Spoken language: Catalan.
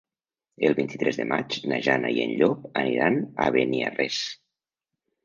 El vint-i-tres de maig na Jana i en Llop aniran a Beniarrés.